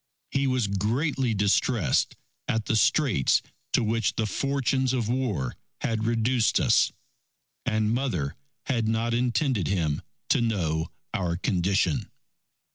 He was greatly distressed at the straits to which the fortunes of war had reduced us. And Mother had not intended him to know our condition.